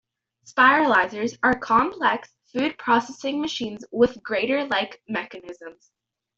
Spiralizers are complex food-processing machines with grater-like mechanisms.